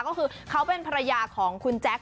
ก็คือเขาเป็นภรรยาของคุณแจ๊ค